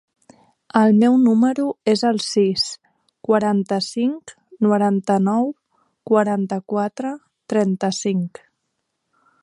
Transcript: El meu número es el sis, quaranta-cinc, noranta-nou, quaranta-quatre, trenta-cinc.